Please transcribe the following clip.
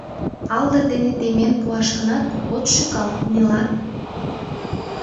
Алдыр дене темен пуаш гынат, от шӱкал, нелат.